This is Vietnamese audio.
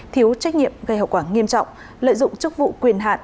thiếu trách nhiệm gây hậu quả nghiêm trọng lợi dụng chức vụ quyền hạn